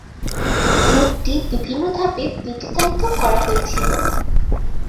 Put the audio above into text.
রুটটি বিভিন্ন ধাপে বিদ্যুতায়িত করা হয়েছিল।